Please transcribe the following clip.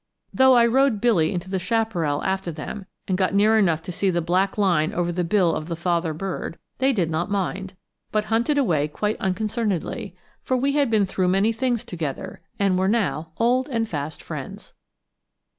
Though I rode Billy into the chaparral after them, and got near enough to see the black line over the bill of the father bird, they did not mind, but hunted away quite unconcernedly; for we had been through many things together, and were now old and fast friends.